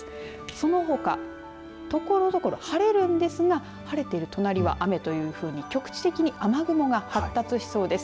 そのほか、ところどころ晴れるんですが晴れている隣は雨というふうに局地的に雨雲が発達しそうです。